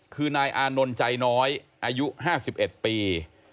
คือนายอานนท์ใจน้อยอายุห้าสิบเอ็ดปี